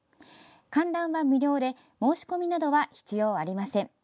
観覧は無料で申し込みなどは必要ありません。